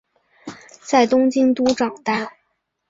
在东京都长大。